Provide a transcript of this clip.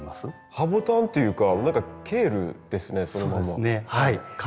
ハボタンっていうか何かケールですねそのまま。